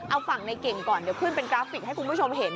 เอาฝั่งในเก่งก่อนเดี๋ยวขึ้นเป็นกราฟิกให้คุณผู้ชมเห็น